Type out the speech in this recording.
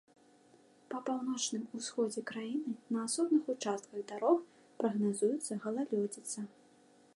Па паўночным усходзе краіны на асобных участках дарог прагназуецца галалёдзіца.